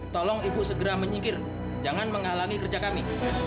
tolong ibu segera menyingkir jangan menghalangi kerja kami